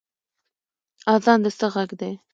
اذان د څه غږ دی؟